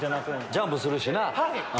ジャンプするしな。